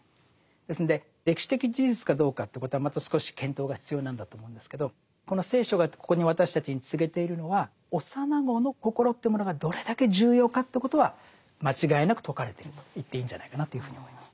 ですんで歴史的事実かどうかということはまた少し検討が必要なんだと思うんですけどこの聖書がここに私たちに告げているのは幼子の心というものがどれだけ重要かということは間違いなく説かれてると言っていいんじゃないかなというふうに思います。